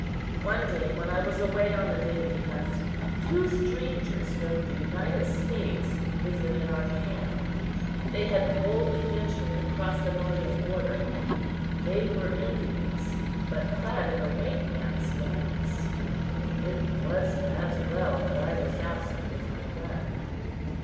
One day, when I was away on the daily hunt, two strangers from the United States visited our camp. They had boldly ventured across the northern border. They were Indians, but clad in the white man's garments. It was as well that I was absent with my gun.